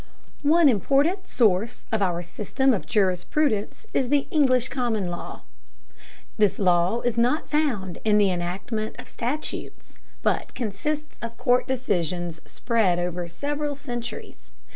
One important source of our system of jurisprudence is the English common law. This law is not found in the enactment of statutes, but consists of court decisions spread over several centuries.